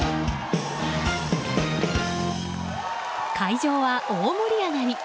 会場は大盛り上がり！